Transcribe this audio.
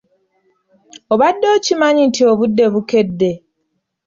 Obadde okimanyi nti obudde bukedde?